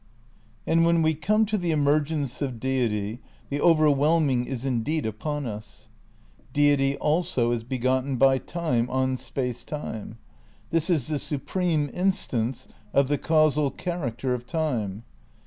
And when we come to the emergence of Deity the overwhelming is indeed upon us. Deity Deity also is begotten by Time on Space Time. This is the supreme instance of the causal character of Time.